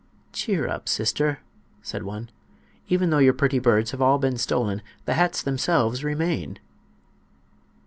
"Cheer up, sister," said one. "Even though your pretty birds have all been stolen the hats themselves remain."